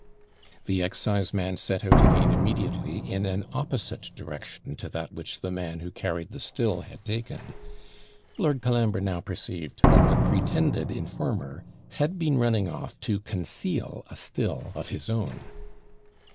The exciseman set out again immediately, in an opposite direction to that which the man who carried the still had taken. Lord Colambre now perceived that the pretended informer had been running off to conceal a still of his own.